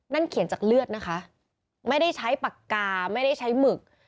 เขียนจากเลือดนะคะไม่ได้ใช้ปากกาไม่ได้ใช้หมึก